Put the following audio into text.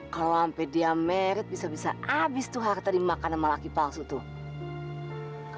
kalau sampai dia meret bisa bisa habis tuh harta dimakan sama laki palsu tuh